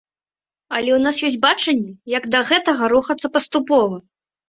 Але ў нас ёсць бачанне, як да гэтага рухацца паступова.